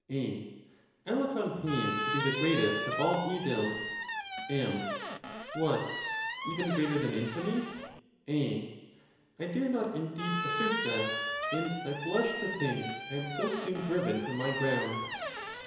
A. I look on pain to be the greatest of all evils. M. What, even greater than infamy ? A. I dare not indeed assert that; and I blush to think IT am so soon driven from my ground.